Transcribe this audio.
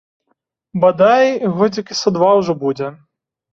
Бадай, годзікі са два ўжо будзе.